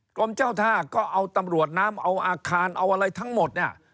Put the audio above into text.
กรมเจ้าท่าก็เอาตำรวจน้ำเอาอาคารเอาอะไรทั้งหมดเนี่ย